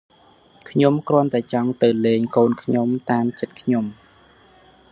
ខ្ញុំគ្រាន់តែចង់ទៅលេងកូនខ្ញុំតាមចិត្តខ្ញុំ ។